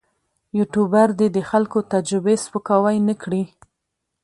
یوټوبر دې د خلکو تجربې سپکاوی نه کړي.